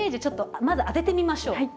ちょっとまず当ててみましょう。